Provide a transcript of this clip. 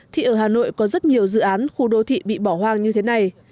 thì ở hà nội có rất nhiều dự án khu đô thị bị bỏ hoang như thế này